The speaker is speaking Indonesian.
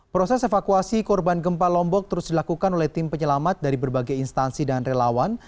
proses evakuasi korban gempa lombok terus dilakukan oleh tim penyelamat dari berbagai instansi dan relawan